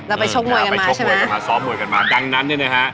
เราไปชกมวยกันมาใช่ไหมดังนั้นเนี่ยนะฮะ